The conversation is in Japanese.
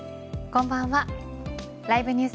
こんばんは。